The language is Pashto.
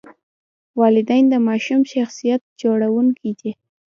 والدین د ماشوم شخصیت جوړونکي دي.